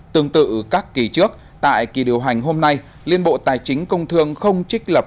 tương tự các kỳ trước tại kỳ điều hành hôm nay liên bộ tài chính công thương không trích lập